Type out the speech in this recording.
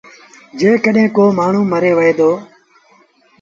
جيڪڏهين ڪو مآڻهوٚٚݩ مري وهي دو